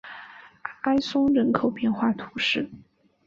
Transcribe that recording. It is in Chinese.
埃松人口变化图示